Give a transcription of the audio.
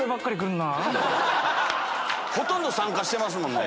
ほとんど参加してますもんね。